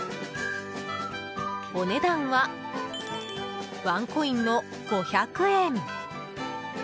お値段は、ワンコインの５００円。